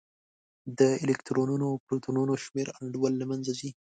د الکترونونو او پروتونونو شمېر انډول له منځه ځي.